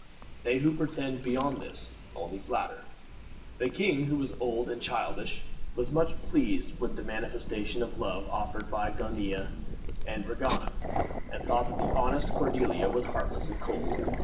They who pretend beyond this only flatter." The king, who was old and childish, was much pleased with the manifestation of love offered by Gonilla and Regana, and thought that the honest Cordiella was heartless and cold.